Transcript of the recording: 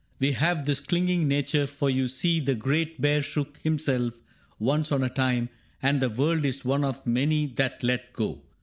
We have this clinging nature, for you see The Great Bear shook himself once on a time And the world is one of many that let go."